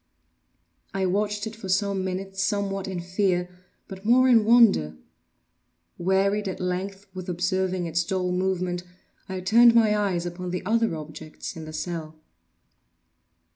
I watched it for some minutes, somewhat in fear, but more in wonder. Wearied at length with observing its dull movement, I turned my eyes upon the other objects in the cell.